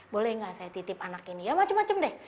boleh nggak saya titip anak ini ya macam macam deh